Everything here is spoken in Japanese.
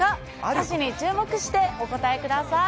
歌詞に注目してお答えください。